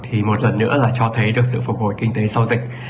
thì một lần nữa là cho thấy được sự phục hồi kinh tế sau dịch